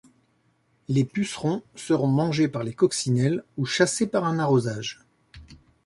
Les pucerons seront mangés par les coccinelles ou chassés par un arrosage.